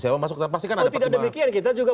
siapa masuk oh tidak demikian kita juga